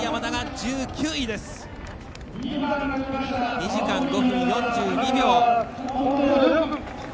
２時間５分４２秒。